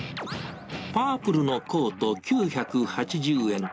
パープルのコート９８０円。